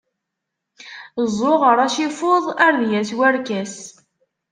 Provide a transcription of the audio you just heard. Zzuɣer acifuḍ ar d-yas warkas.